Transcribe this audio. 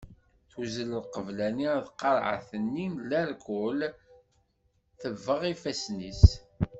Tuzzel lqebla-nni ar tqarɛet-nni n larkul tebbeɣ ifassen-is.